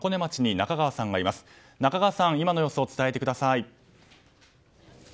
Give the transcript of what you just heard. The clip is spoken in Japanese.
中川さん、今の様子を伝えてください。